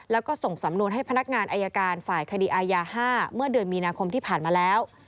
แล้วก็ส่งสำนวนให้พนักงานอายการฝ่ายคดีอายา๕เมื่อเดือนมีนาคมที่ผ่านมาแล้ว